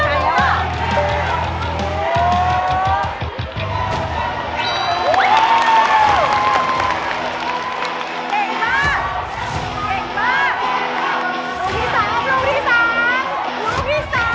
ลูกที่สาม